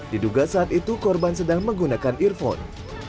diduga saat itu korban sedang menggunakan earphone